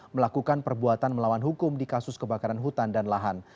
melakukan perbuatan melawan hukum di kasus kebakaran hutan dan lahan